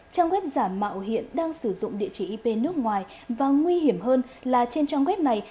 trang web giả mạo hiện đang sử dụng địa chỉ ip nước ngoài và nguy hiểm hơn là trên trang web này